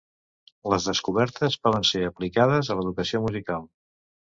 Les descobertes poden ser aplicades a l’educació musical.